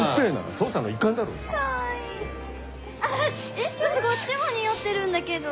えっちょっとこっちも匂ってるんだけど。